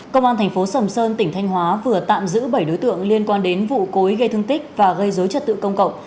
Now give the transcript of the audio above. công an thành phố sầm sơn tỉnh thanh hóa vừa tạm giữ bảy đối tượng liên quan đến vụ cối gây thương tích và gây dối trật tự công cộng